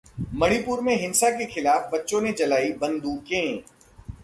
मणिपुर में हिंसा के खिलाफ बच्चों ने जलाईं 'बंदूकें'